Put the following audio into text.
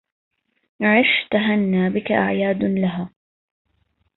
عش تهنا بك أعياد لها